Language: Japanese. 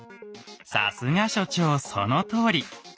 さすが所長そのとおり！